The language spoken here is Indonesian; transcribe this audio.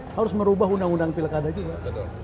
harus merubah undang undang pilkada juga